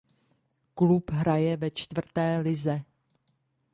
Klub hraje ve čtvrté lize.